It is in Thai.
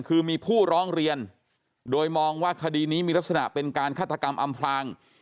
คือมีผู้ร้องเรียนโดยมองว่าคดีนี้มีลักษณะเป็นการฆาตกรรมอำพลาง